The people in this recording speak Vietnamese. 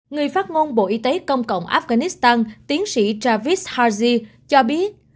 người phát ngôn bộ y tế công cộng afghanistan tiến sĩ travis haji cho biết